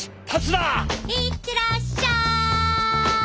行ってらっしゃい！